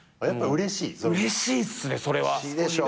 うれしいっすねそれは。